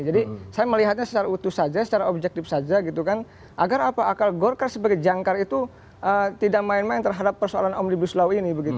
jadi saya melihatnya secara utuh saja secara objektif saja gitu kan agar apa akal golkar sebagai jangkar itu tidak main main terhadap persoalan omnibus law ini begitu